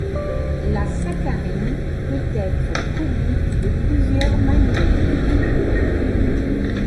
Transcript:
La saccharine peut être produite de plusieurs manières.